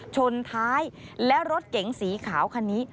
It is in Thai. ชนท้ายและรถเก๋งสีขาวคันนี้